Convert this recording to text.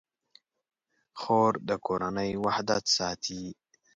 خور د کورنۍ وحدت ساتي.